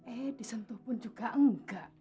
eh disentuh pun juga enggak